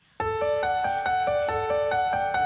asal loyang tidak bermasalah